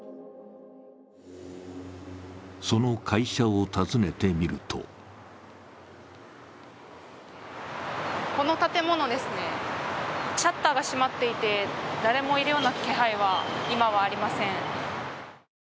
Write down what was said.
その会社を訪ねてみるとこの建物ですね、シャッターが閉まっていて誰もいるような気配は今はありません。